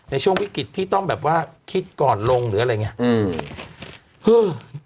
ในช่วงวิกฤตที่ต้องแบบว่าคิดก่อนลงหรืออะไรอย่างนี้